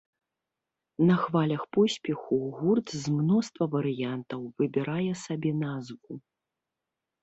На хвалях поспеху гурт з мноства варыянтаў выбірае сабе назву.